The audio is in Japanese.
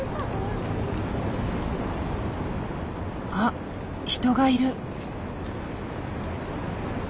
あっ人がいる。